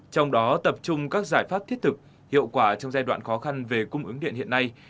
trong đó tập trung các giải pháp thiết thực hiệu quả trong giai đoạn khó khăn về cung ứng điện hiện nay